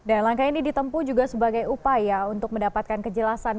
dan langkah ini ditempu juga sebagai upaya untuk mendapatkan kejelasan